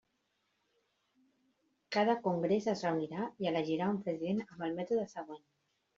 Cada congrés es reunirà i elegirà un president amb el mètode següent.